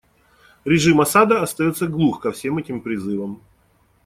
Режим Асада остается глух ко всем этим призывам.